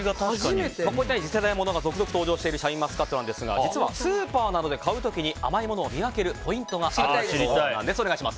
次世代ものが続々登場しているシャインマスカットですが実はスーパーなどで買う時に甘いものを見分けるポイントがあるそうなんです。